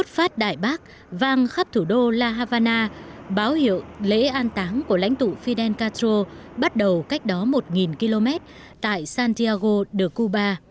hai mươi một phát đại bắc vang khắp thủ đô la havana báo hiệu lễ an táng của lãnh tụ fidel castro bắt đầu cách đó một km tại santiago de cuba